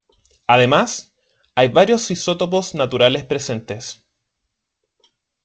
Además, hay varios isótopos naturales presentes.